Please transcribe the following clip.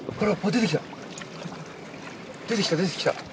出てきた、出てきた。